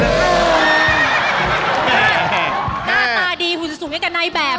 หน้าตาดีหุ่นสูงให้กับนายแบบ